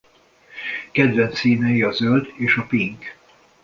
Kedvenc színei a zöld és a pink.